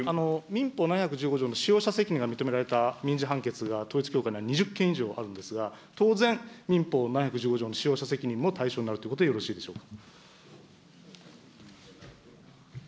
民法７１５条の使用者責任が認められた民事判決が、統一教会には２０件以上あるんですが、当然、民法７１５条の使用者責任も対象になるということでよろしいでしょうか。